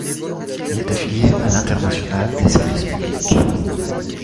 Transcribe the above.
Il est affilié à l'Internationale des services publics.